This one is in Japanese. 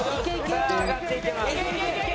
さあ上がっていきます。